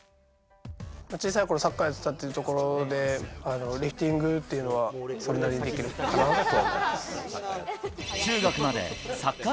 小さいころ、サッカーやってたというところで、リフティングっていうのはそれなりにできると。